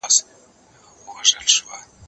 زه به موبایل کار کړی وي!!